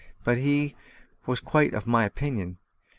But he was quite of my opinion.